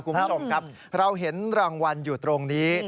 คุณผู้ชมครับเราเห็นรางวัลอยู่ตรงนี้